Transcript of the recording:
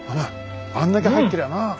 あんだけ入ってりゃなあ。